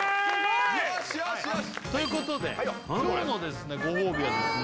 よしよしよしということで今日のご褒美はですね